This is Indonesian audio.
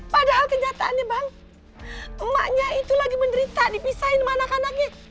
padahal kenyataannya bang emaknya itu lagi menderita dipisahin sama anak anaknya